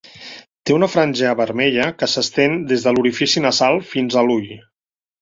Té una franja vermella que s'estén des de l'orifici nasal fins a l'ull.